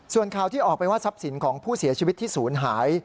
ส่วนข่าวที่ออกไปว่าทรัพย์สินของผู้เสียชีวิตที่ศูนย์หาย